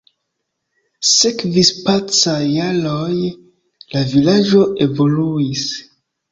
Sekvis pacaj jaroj, la vilaĝo evoluis.